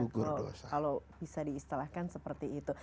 kalau bisa diistilahkan seperti itu